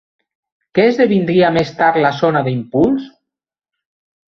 Què esdevindria més tard la zona d'impuls?